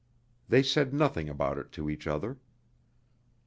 They said nothing about it to each other.